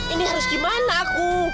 ini harus gimana aku